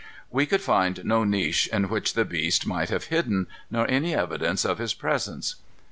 We could find no niche in which the beast might have hidden, nor any evidence of his presence.